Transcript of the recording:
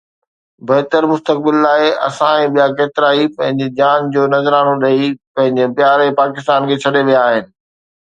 بهتر مستقبل لاءِ اسان ۽ ٻيا ڪيترائي پنهنجي جان جو نذرانو ڏئي پنهنجي پياري پاڪستان کي ڇڏي ويا آهن